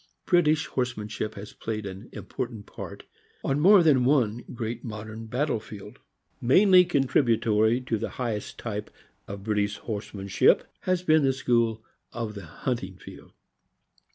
British horsemanship THE FOXHOUND. 193 has played an important part on more than one great mod ern battle field. Mainly contributory to the highest type of British horsemanship has been the school of the hunting field.